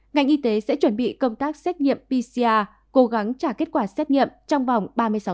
ngành y tế sẽ chuẩn bị công tác xét nghiệm pcr cố gắng trả kết quả xét nghiệm trong vòng ba mươi sáu giờ